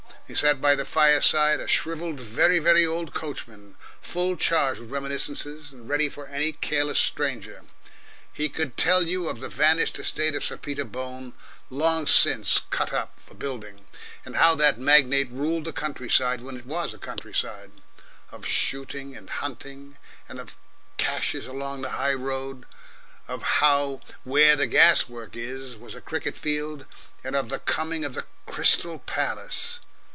He sat by the fireside, a shrivelled, very, very old coachman, full charged with reminiscences, and ready for any careless stranger. He could tell you of the vanished estate of Sir Peter Bone, long since cut up for building, and how that magnate ruled the country side when it was country side, of shooting and hunting, and of caches along the high road, of how "where the gas works is" was a cricket field, and of the coming of the Crystal Palace.